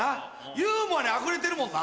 ユーモアにあふれてるもんな。